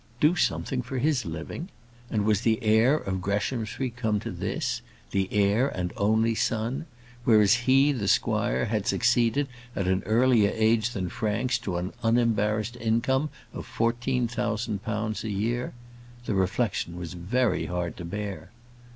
Do something for his living! And was the heir of Greshamsbury come to this the heir and only son? Whereas, he, the squire, had succeeded at an earlier age than Frank's to an unembarrassed income of fourteen thousand pounds a year! The reflection was very hard to bear.